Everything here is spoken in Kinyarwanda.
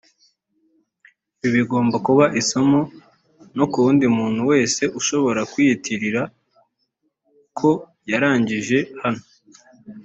Ibi bigomba kuba isomo no ku wundi muntu wese ushobora kwiyitirira ko yarangije hano